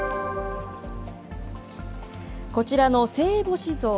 こちらの聖母子像。